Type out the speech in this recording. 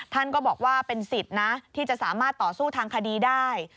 ท่านก็บอกว่าเป็นสิทธิ์นะที่จะสามารถต่อสู้ทางคดีได้